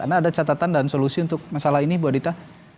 karena ada catatan dan solusi untuk masalah ini bu adita